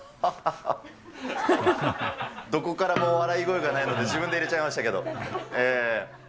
どこからも笑い声がないので、自分で入れちゃいましたけど。